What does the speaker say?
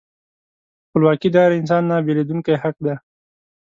خپلواکي د هر انسان نهبیلېدونکی حق دی.